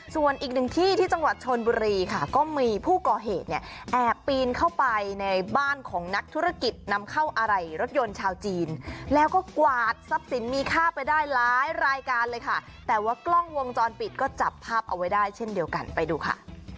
ส่วนอีกหนึ่งที่ที่จังหวัดชนบุรีค่ะก็มีผู้ก่อเหตุเนี่ยแอบปีนเข้าไปในบ้านของนักธุรกิจนำเข้าอะไหล่รถยนต์ชาวจีนแล้วก็กวาดทรัพย์สินมีค่าไปได้หลายรายการเลยค่ะแต่ว่ากล้องวงจรปิดก็จับภาพเอาไว้ได้เช่นเดียวกันไปดูค่ะ